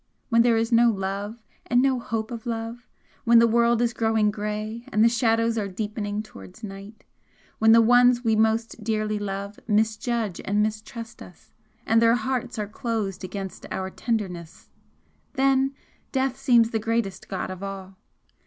When there is no love and no hope of love, when the world is growing grey and the shadows are deepening towards night, when the ones we most dearly love misjudge and mistrust us and their hearts are closed against our tenderness, then death seems the greatest god of all!